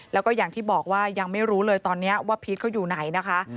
แล้วก็อย่างที่บอกว่ายังไม่รู้เลยตอนนี้ว่าพีชเขาอยู่ไหนนะคะ